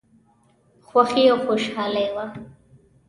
خوښي او خوشالي وه.